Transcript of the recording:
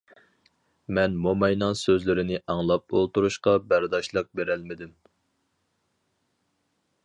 مەن موماينىڭ سۆزلىرىنى ئاڭلاپ ئولتۇرۇشقا بەرداشلىق بېرەلمىدىم.